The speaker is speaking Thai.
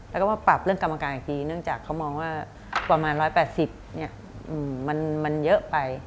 แล้วก็มาปรับเรื่องกรรมการอีกทีเนื่องจากเขามองว่าประมาณ๑๘๐มันเยอะไป